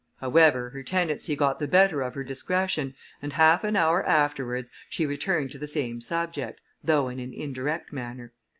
However, her tendency got the better of her discretion, and half an hour afterwards she returned to the same subject, though in an indirect manner.